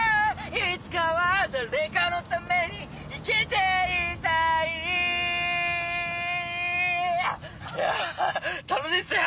いつかは誰かのために生きていたいいや楽しいっすね。